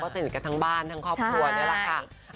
สนิทกันทั้งบ้านทั้งครอบครัวนี่แหละค่ะ